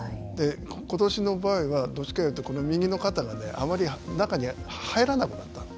ことしの場合はどっちかというと右の肩があまり中に入らなくなったの。